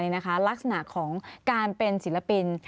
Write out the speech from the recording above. นี่นะคะลักษณะของการเป็นศิลปิน